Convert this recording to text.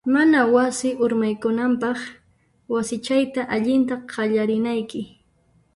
Mana wasi urmaykunanpaq, wasichayta allinta qallarinayki.